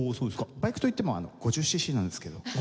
バイクといっても５０シーシーなんですけど。